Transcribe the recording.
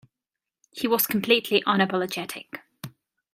He was completely unapologetic.